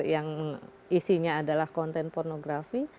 yang isinya adalah konten pornografi